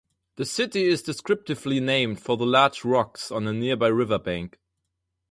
The city is descriptively named for the large rocks on a nearby river bank.